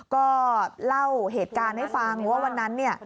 ก็เล่าเหตุการณ์ให้ฟังว่าวันนั้นเนี่ย